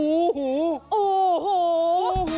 อูหู